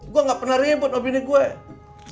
gua ga pernah ribet sama bini gua ya